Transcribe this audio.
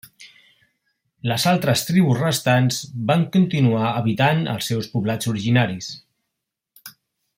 Les altres tribus restants van continuar habitant els seus poblats originaris.